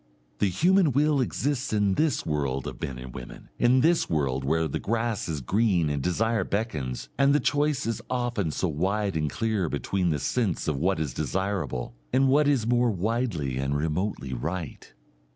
The human will exists in this world of men and women, in this world where the grass is green and desire beckons and the choice is often so wide and clear between the sense of what is desirable and what is more widely and remotely right.